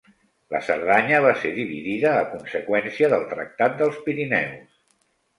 La Cerdanya va ser dividida a conseqüència del Tractat dels Pirineus.